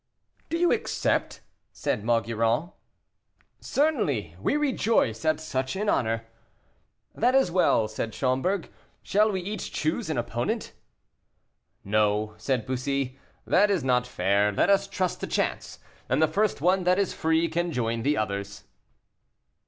"Do you accept?" said Maugiron. "Certainly; we rejoice at such an honor." "That is well," said Schomberg; "shall we each choose an opponent?" "No," said Bussy, "that is not fair; let us trust to chance, and the first one that is free can join the others."